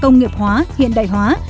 nghiệp hóa hiện đại hóa